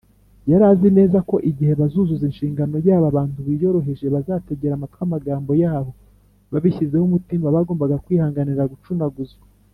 yari azi neza ko igihe bazuzuza inshingano yabo, abantu biyoroheje bazategera amatwi amagambo yabo babishyizeho umutima bagombaga kwihanganira gucunaguzwa,